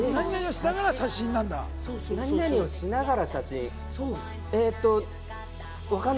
何々をしながら写真なんだ。